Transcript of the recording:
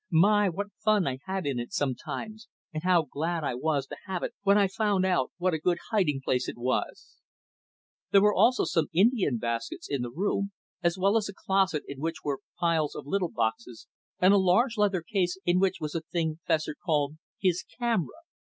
My! what fun I had in it sometimes, and how glad I was to have it when I found out what a good hiding place it was. There were also some Indian baskets in the room, as well as a closet in which were piles of little boxes and a large leather case in which was a thing Fessor called his camera.